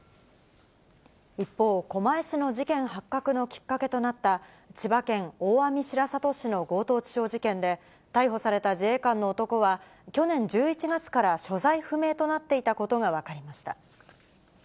一方、狛江市の事件発覚のきっかけとなった、千葉県大網白里市の強盗致傷事件で、逮捕された自衛官の男は、去年１１月から所在不明となっていたことが分かりました。